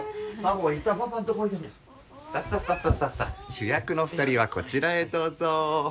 主役の２人はこちらへどうぞ。